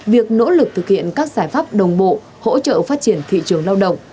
việc nỗ lực thực hiện các giải pháp đồng bộ hỗ trợ phát triển thị trường lao động